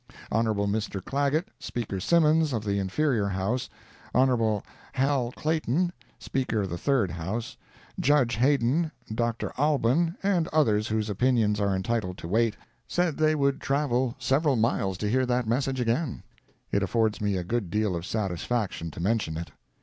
Hon. Mr. Clagett, Speaker Simmons of the inferior House, Hon. Hal Clayton, Speaker of the Third House, Judge Haydon, Dr. Alban, and others whose opinions are entitled to weight, said they would travel several miles to hear that message again. It affords me a good deal of satisfaction to mention it.